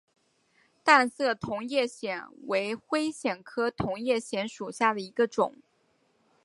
淡色同叶藓为灰藓科同叶藓属下的一个种。